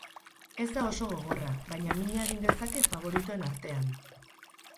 Ez da oso gogorra, baina mina egin dezake faboritoen artean.